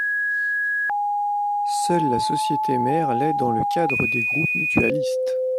Seule la société mère l’est dans le cadre des groupes mutualistes.